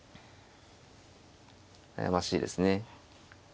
悩ましいですね。